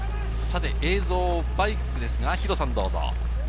映像はバイクですが、弘さん、どうぞ。